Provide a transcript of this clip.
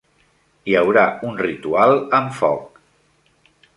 Hi haurà un ritual amb foc.